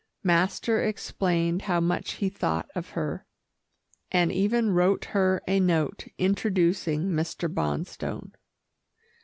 Master explained how much he thought of her, and even wrote her a note, introducing Mr. Bonstone.